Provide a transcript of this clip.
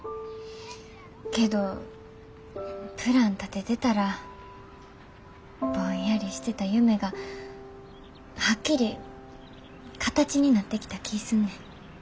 けどプラン立ててたらぼんやりしてた夢がはっきり形になってきた気ぃすんねん。